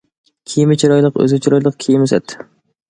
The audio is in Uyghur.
كىيىمى چىرايلىق، ئۆزى چىرايلىق، كىيىمى سەت.